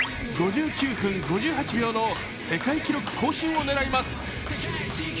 ５９分５８秒の世界記録更新を狙います。